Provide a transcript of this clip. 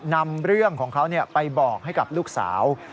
นำเรื่องของเขาไปบอกให้กับลูกสาว